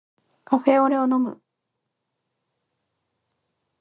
カフェオレを飲む